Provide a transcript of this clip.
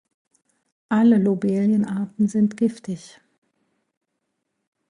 Alle Lobelien-Arten sind giftig.